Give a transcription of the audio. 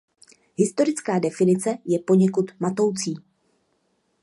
Historická definice je poněkud matoucí.